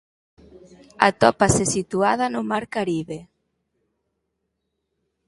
Atópase situada no mar Caribe.